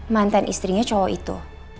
mantan istrinya cowok itu